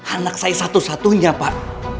anak saya satu satunya pak